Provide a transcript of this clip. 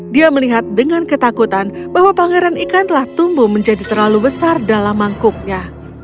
dia melihat dengan ketakutan bahwa pangeran ikan telah tumbuh menjadi terlalu besar dalam mangkuknya